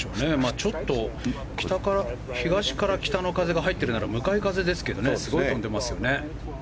ちょっと東から北の風が入っているなら向かい風ですけどすごく飛んでいますね。